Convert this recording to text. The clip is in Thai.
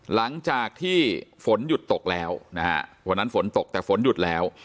หลังจากที่ฝนหยุดตกแล้วนะฮะวันนั้นฝนตกแต่ฝนหยุดแล้ว